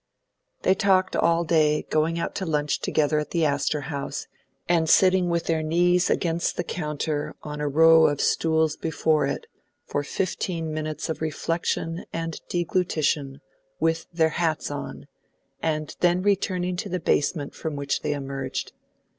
They talked all day, going out to lunch together at the Astor House, and sitting with their knees against the counter on a row of stools before it for fifteen minutes of reflection and deglutition, with their hats on, and then returning to the basement from which they emerged.